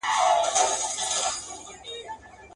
زما د غیرت شمله به کښته ګوري.